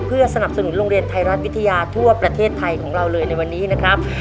เพื่อสนับสนุนโรงเรียนไทยรัฐวิทยาทั่วประเทศไทยของเราเลยในวันนี้นะครับ